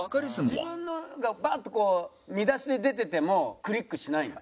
自分のがバッとこう見出しで出ててもクリックしないんだ？